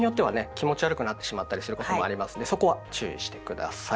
気持ち悪くなってしまったりすることもありますのでそこは注意して下さい。